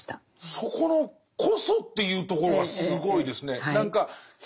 そこの「こそ」というところがすごいですね。